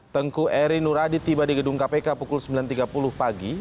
tengku eri nuradi tiba di gedung kpk pukul sembilan tiga puluh pagi